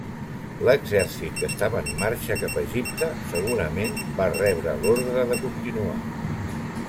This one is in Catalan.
L'exèrcit que estava en marxa cap a Egipte segurament va rebre l'orde de continuar.